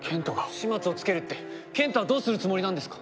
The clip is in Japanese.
始末をつけるって賢人はどうするつもりなんですか？